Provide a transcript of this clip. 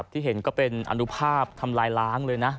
ที่เห็นก็เป็นอนุภาพทำลายล้างเลยนะ